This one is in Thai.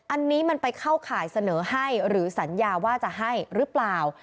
อันนี้มันไปเข้าข่ายเสนอให้หรือสัญญาว่าจะให้หรือเปล่า